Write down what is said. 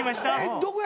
どこや？